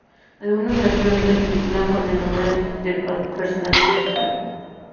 Algunas de las crónicas se titulan con el nombre del personaje principal.